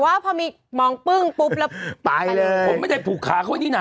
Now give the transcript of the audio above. ว่าพอมีมองปึ้งปุ๊บแล้วไปเลยผมไม่ได้ผูกขาเขานี่น่ะ